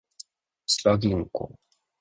千葉銀行